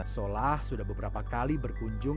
solah sudah beberapa kali berkunjung